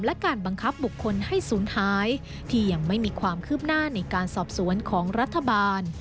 และการบังคับบุคคลให้ศูนย์หายที่ยังไม่มีความคืบหน้าในการสอบสวนของรัฐบาล